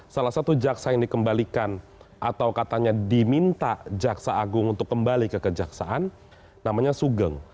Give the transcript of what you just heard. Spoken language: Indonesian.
salah satu jaksa yang dikembalikan atau katanya diminta jaksa agung untuk kembali ke kejaksaan namanya sugeng